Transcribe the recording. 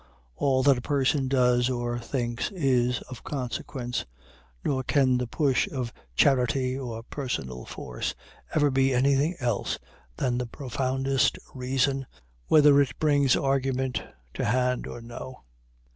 All that a person does or thinks is of consequence. Nor can the push of charity or personal force ever be anything else than the profoundest reason, whether it brings argument to hand or no.